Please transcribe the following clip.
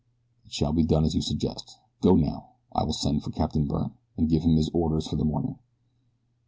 "It shall be done as you suggest. Go now, and I will send for Captain Byrne, and give him his orders for the morning."